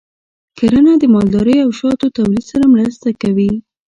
کرنه د مالدارۍ او شاتو تولید سره مرسته کوي.